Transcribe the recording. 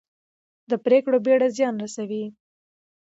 د پرېکړو بېړه زیان رسوي